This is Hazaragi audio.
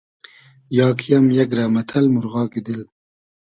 یا کی ام یئگ رۂ مئتئل مورغاگی دیل